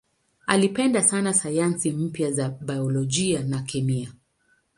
Alipenda sana sayansi mpya za biolojia na kemia.